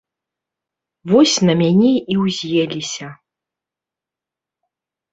Вось на мяне і ўз'еліся.